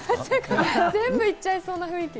全部いっちゃいそうな雰囲気。